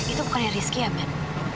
itu bukan rizky ya men